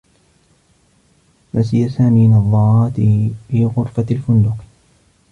نسي سامي نظّاراته في غرفة الفندق.